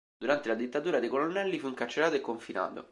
Durante la dittatura dei colonnelli fu incarcerato e confinato.